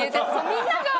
みんなが。